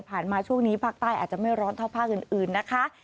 มาช่วงนี้ภาคใต้อาจจะไม่ร้อนเท่าภาคอื่นนะคะ